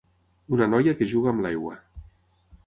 Una noia que juga amb l'aigua.